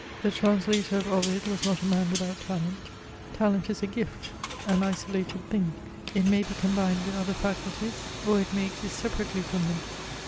The trans lator of Ovid was not a man without talent ; talent is a gift, an isolated thing ; it may be combined with other faculties, or it may exist separately from them.